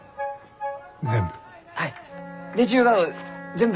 全部？